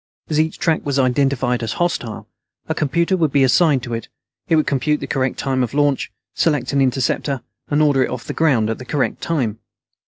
As each track was identified as hostile, a computer would be assigned to it. It would compute the correct time of launch, select an interceptor, and order it off the ground at the correct time.